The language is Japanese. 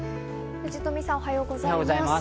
藤富さん、おはようございます。